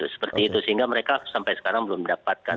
sehingga mereka sampai sekarang belum mendapatkan